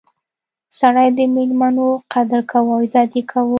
سړی د میلمنو قدر کاوه او عزت یې کاوه.